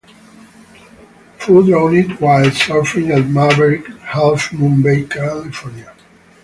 Foo drowned while surfing at Mavericks, Half Moon Bay, California.